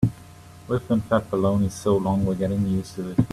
We've been fed baloney so long we're getting used to it.